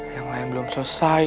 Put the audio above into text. yang lain belum selesai